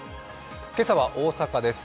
今朝は大阪です。